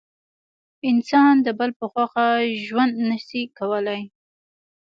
انسان د بل په خوښه ژوند نسي کولای.